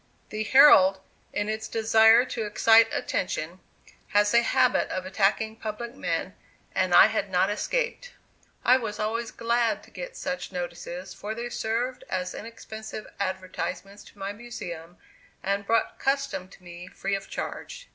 The Herald, in its desire to excite attention, has a habit of attacking public men and I had not escaped. I was always glad to get such notices, for they served as inexpensive advertisements to my Museum, and brought custom to me free of charge.